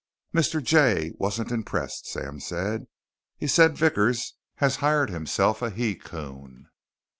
"Mr. Jay wasn't impressed," Sam said. "He said Vickers has hired himself a he coon."